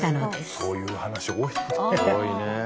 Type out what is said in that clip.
そういう話多いね。